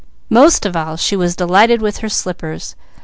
Most of all she was delighted with her slippers.